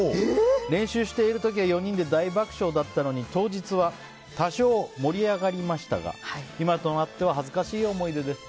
練習している時は４人で大爆笑だったのに当日は多少盛り上がりましたが今となっては恥ずかしい思い出です。